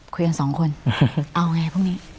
คุยกันสองคนเอาไงพรุ่งนี้